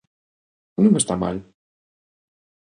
Non está mal.